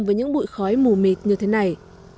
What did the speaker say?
với những bụi khói mù mịt như thế này